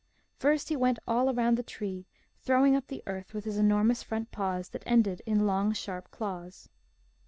First he went all round the tree, throwing up the earth with his enormous front paws that ended in long, sharp claws.